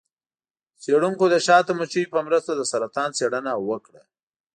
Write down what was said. څیړونکو د شاتو مچیو په مرسته د سرطان څیړنه وکړه.